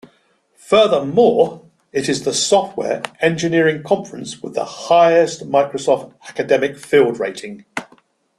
Furthermore, it is the software engineering conference with the highest Microsoft Academic field rating.